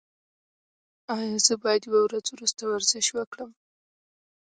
ایا زه باید یوه ورځ وروسته ورزش وکړم؟